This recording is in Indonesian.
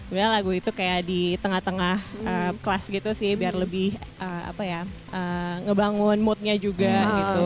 sebenarnya lagu itu kayak di tengah tengah kelas gitu sih biar lebih apa ya ngebangun moodnya juga gitu